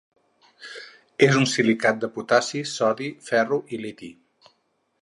És un silicat de potassi, sodi, ferro i liti.